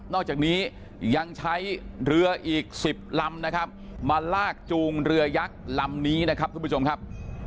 อกจากนี้ยังใช้เรืออีก๑๐ลำนะครับมาลากจูงเรือยักษ์ลำนี้นะครับทุกผู้ชมครับ